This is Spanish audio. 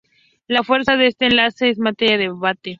La fuerza de este enlace es materia de debate.